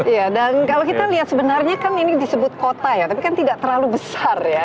iya dan kalau kita lihat sebenarnya kan ini disebut kota ya tapi kan tidak terlalu besar ya